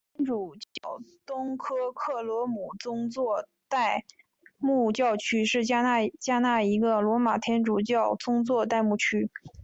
天主教东科克罗姆宗座代牧教区是加纳一个罗马天主教宗座代牧区。